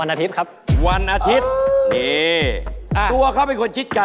เนินนักฐานเหรอคะ